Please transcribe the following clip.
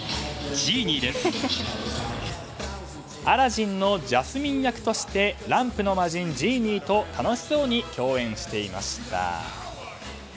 「アラジン」のジャスミン役としてランプの魔人、ジーニーと楽しそうに共演していました。